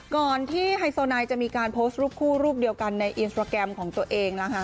ก่อนที่ไฮโซไนจะมีการโพสต์รูปคู่รูปเดียวกันในอินสตราแกรมของตัวเองนะคะ